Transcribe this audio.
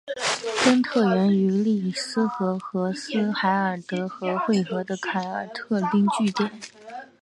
根特源于利斯河和斯海尔德河汇合的凯尔特定居点。